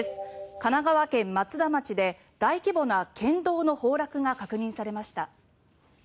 神奈川県松田町で大規模な県道の崩落が確認されました。